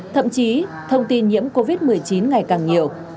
thậm chí thông tin nhiễm covid một mươi chín ngày càng nhiều